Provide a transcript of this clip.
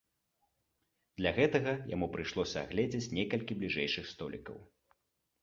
Для гэтага яму прыйшлося агледзець некалькі бліжэйшых столікаў.